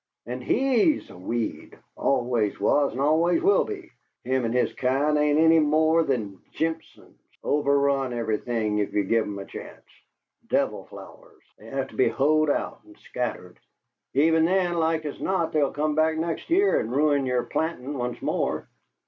and HE'S a weed, always was and always will be! Him and his kind ain't any more than jimpsons; overrun everything if you give 'em a chance. Devil flowers! They have to be hoed out and scattered even then, like as not, they'll come back next year and ruin your plantin' once more.